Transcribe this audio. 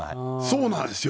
そうなんですよ。